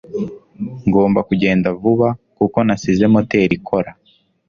Ngomba kugenda vuba kuko nasize moteri ikora.